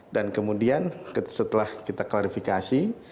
dan kemudian setelah kita klarifikasi